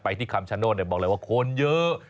ไปที่คลัมชาโน้นบอกเลยว่าคนเยอะ